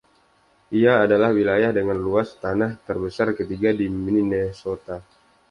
Ia adalah wilayah dengan luas tanah terbesar ketiga di Minnesota.